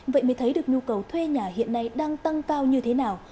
vậy mới thấy được nhu cầu thuê nhà hiện nay đang tăng cao như thế nào